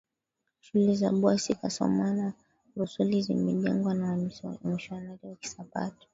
Shule za Bwasi Kasoma na Rusoli zimejengwa na wamisionari wa Kisabato